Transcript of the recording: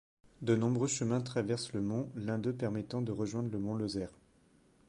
De nombreux chemins traversent le mont, l'un d'eux permettant de rejoindre le mont Lozère.